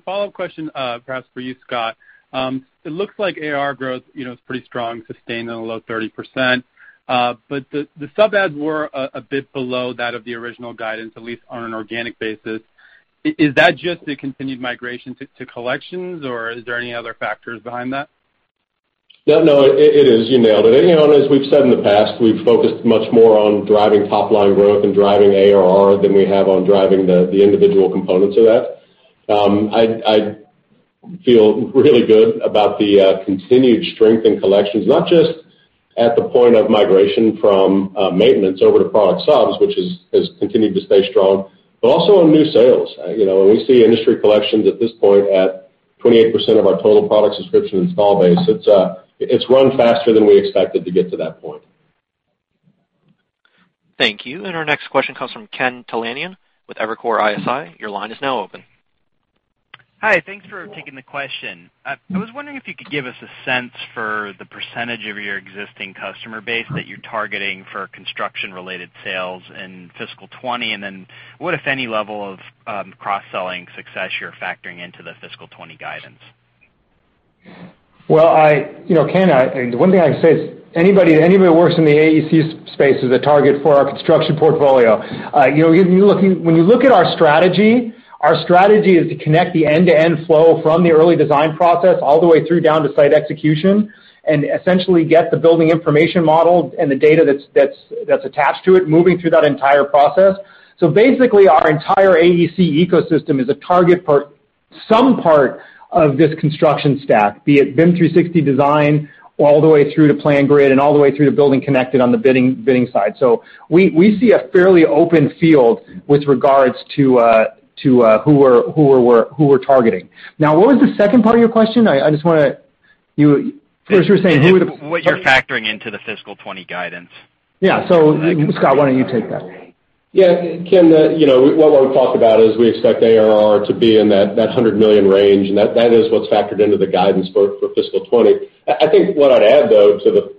follow-up question, perhaps for you, Scott. It looks like ARR growth is pretty strong, sustaining a low 30%, but the sub adds were a bit below that of the original guidance, at least on an organic basis. Is that just the continued migration to collections, or is there any other factors behind that? No, it is. You nailed it. As we've said in the past, we've focused much more on driving top-line growth and driving ARR than we have on driving the individual components of that. I feel really good about the continued strength in collections, not just at the point of migration from maintenance over to product subs, which has continued to stay strong, but also on new sales. We see Industry Collections at this point at 28% of our total product subscription install base. It's run faster than we expected to get to that point. Thank you. Our next question comes from Ken Talanian with Evercore ISI. Your line is now open. Hi. Thanks for taking the question. I was wondering if you could give us a sense for the percentage of your existing customer base that you're targeting for construction-related sales in fiscal 2020, and then what, if any, level of cross-selling success you're factoring into the fiscal 2020 guidance? Well, Ken, one thing I can say is anybody that works in the AEC space is a target for our construction portfolio. When you look at our strategy, our strategy is to connect the end-to-end flow from the early design process all the way through down to site execution, and essentially get the building information model and the data that's attached to it moving through that entire process. Basically, our entire AEC ecosystem is a target for some part of this construction stack, be it BIM 360 design, all the way through to PlanGrid, and all the way through to BuildingConnected on the bidding side. We see a fairly open field with regards to who we're targeting. Now, what was the second part of your question? What you're factoring into the fiscal 2020 guidance. Yeah. Scott, why don't you take that? Yeah. Ken, what I would talk about is we expect ARR to be in that $100 million range, and that is what's factored into the guidance for fiscal 2020. I think what I'd add, though, to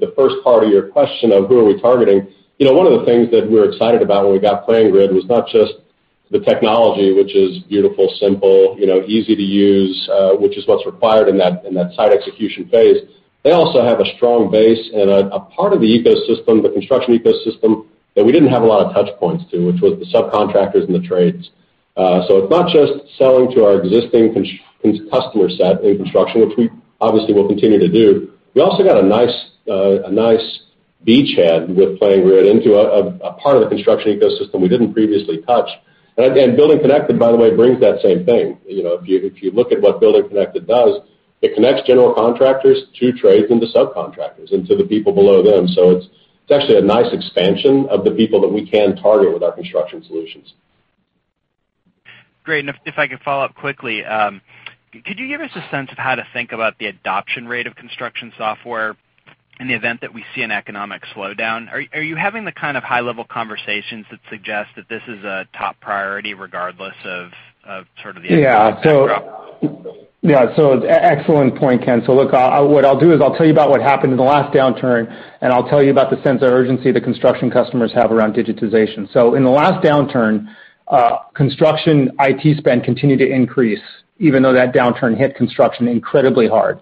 the first part of your question of who are we targeting, one of the things that we were excited about when we got PlanGrid was not just the technology, which is beautiful, simple, easy to use, which is what's required in that site execution phase. They also have a strong base and a part of the ecosystem, the construction ecosystem, that we didn't have a lot of touchpoints to, which was the subcontractors and the trades. It's not just selling to our existing customer set in construction, which we obviously will continue to do. We also got a nice beachhead with PlanGrid into a part of the construction ecosystem we didn't previously touch. BuildingConnected, by the way, brings that same thing. If you look at what BuildingConnected does, it connects general contractors to trades into subcontractors, into the people below them. It's actually a nice expansion of the people that we can target with our construction solutions. Great. If I could follow up quickly, could you give us a sense of how to think about the adoption rate of construction software in the event that we see an economic slowdown? Are you having the kind of high-level conversations that suggest that this is a top priority regardless of the economic backdrop? Excellent point, Ken. Look, what I'll do is I'll tell you about what happened in the last downturn, and I'll tell you about the sense of urgency the construction customers have around digitization. In the last downturn, construction IT spend continued to increase, even though that downturn hit construction incredibly hard.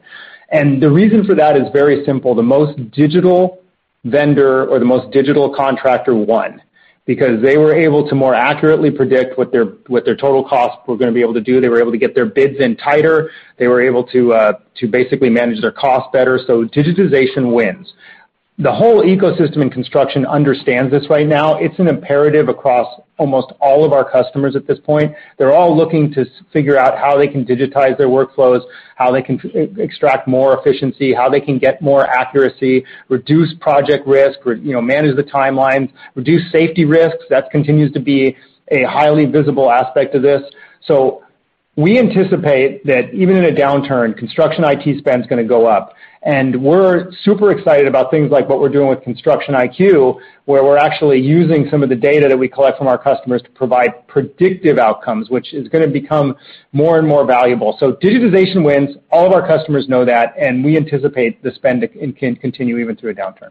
The reason for that is very simple. The most digital vendor or the most digital contractor won, because they were able to more accurately predict what their total costs were going to be able to do. They were able to get their bids in tighter. They were able to basically manage their costs better. Digitization wins. The whole ecosystem in construction understands this right now. It's an imperative across almost all of our customers at this point. They're all looking to figure out how they can digitize their workflows, how they can extract more efficiency, how they can get more accuracy, reduce project risk, manage the timelines, reduce safety risks. That continues to be a highly visible aspect of this. We anticipate that even in a downturn, construction IT spend's going to go up. We're super excited about things like what we're doing with Construction IQ, where we're actually using some of the data that we collect from our customers to provide predictive outcomes, which is going to become more and more valuable. Digitization wins. All of our customers know that, and we anticipate the spend can continue even through a downturn.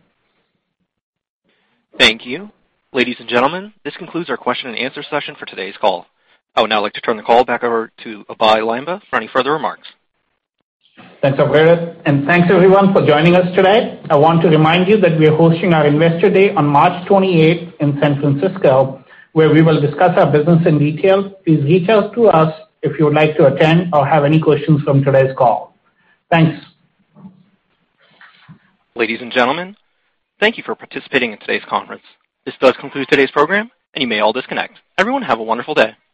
Thank you. Ladies and gentlemen, this concludes our question and answer session for today's call. I would now like to turn the call back over to Abhey Lamba for any further remarks. Thanks, Alfredo, and thanks, everyone, for joining us today. I want to remind you that we are hosting our Investor Day on March 28th in San Francisco, where we will discuss our business in detail. Please reach out to us if you would like to attend or have any questions from today's call. Thanks. Ladies and gentlemen, thank you for participating in today's conference. This does conclude today's program, and you may all disconnect. Everyone have a wonderful day.